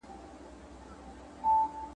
دا یوه شېبه مستي ده ما نظر نه کې رقیبه `